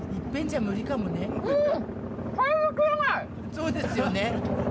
そうですよね。